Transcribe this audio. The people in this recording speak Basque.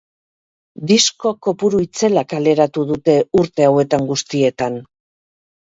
Disko kopuru itzela kaleratu dute urte hauetan guztietan.